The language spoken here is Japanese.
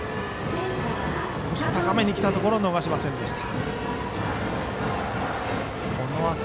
少し高めにきたところを逃しませんでした。